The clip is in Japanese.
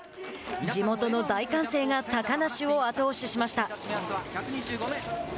地元の大歓声が高梨を後押ししました。